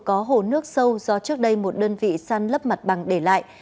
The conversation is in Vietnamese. có hồ nước sâu do trước đây một đơn vị săn lấp mặt bằng để lại